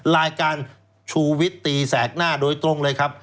รายการชูวิตตีแสกหน้าโดยตรงเลยครับ